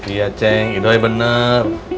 iya ceng itu aja bener